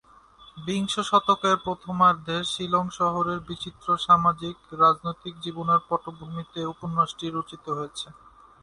বিংশ শতকের প্রথমার্ধের শিলং শহরের বিচিত্র সামাজিক-রাজনৈতিক জীবনের পটভূমিতে উপন্যাসটি রচিত হয়েছে।